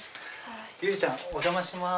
ゆうゆちゃんお邪魔します。